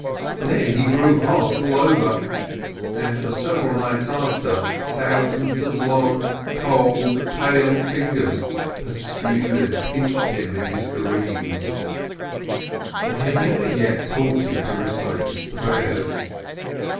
Then he grew hot all over, and, for several nights after, thousands of long, cold, pale fingers pursued and pinched him in his dreams. They had never yet taught him to recite his prayers.